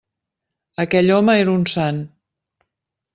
Aquell home era un sant!